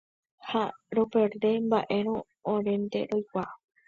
ha roperde mba'érõ orénte roikuaa.